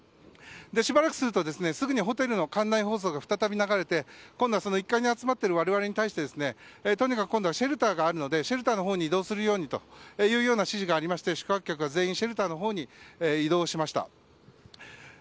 しばらくするとすぐにホテルの館内放送が再び流れて今度は１階に集まっている我々に対してとにかく今度はシェルターに移動するようにと指示がありまして宿泊客は全員シェルターのほうに移動しました。